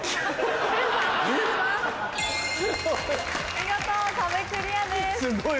見事壁クリアです。